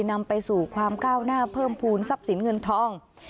นำไปสู่ความก้าวหน้าเพิ่มภูมิทรัพย์สินเงินทอง